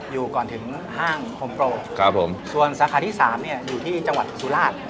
อยู่ก่อนถึงห้างโฮมโปรครับผมส่วนสาขาที่สามเนี่ยอยู่ที่จังหวัดสุราช